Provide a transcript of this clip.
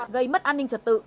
gây mất an ninh trật tự